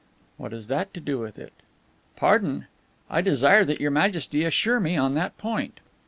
"What has that to do with it?" "Pardon. I desire that Your Majesty assure me on that point."